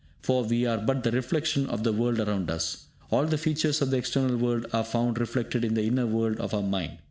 For, we are but the reflection of the world around us; all the features of the external world are found reflected in the inner world of our mind.